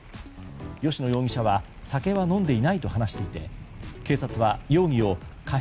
吉野容疑者は酒は飲んでいないと話していて警察は容疑を過失